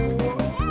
orang mau buka tangan